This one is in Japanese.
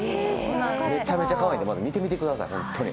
めちゃめちゃかわいいんで、見てみてくださいホントに。